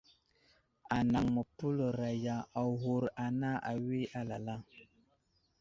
Anaŋ məpələraya aghur ana awi alala.